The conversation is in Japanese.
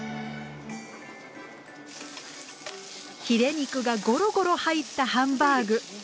ヒレ肉がゴロゴロ入ったハンバーグ。